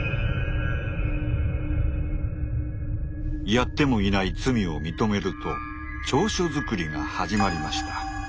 やってもいない罪を認めると調書作りが始まりました。